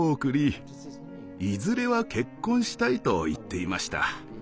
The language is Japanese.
「いずれは結婚したい」と言っていました。